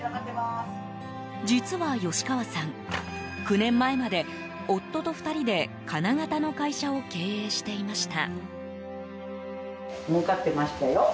実は、吉川さん９年前まで夫と２人で金型の会社を経営していました。